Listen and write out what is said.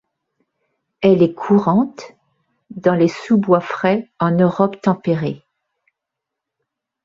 Elle est courante dans les sous-bois frais en Europe tempérée.